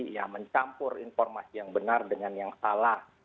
ya mencampur informasi yang benar dengan yang salah